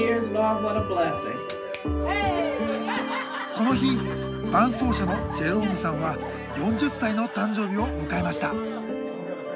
この日伴走者のジェロームさんは４０歳の誕生日を迎えました。